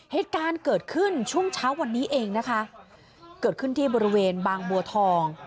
เหตุการณ์เกิดขึ้นช่วงเช้าวันนี้เองนะคะเกิดขึ้นที่บริเวณบางบัวทอง